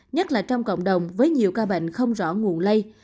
nhất là trong cộng đồng với nhiều ca bệnh không rõ nguồn lây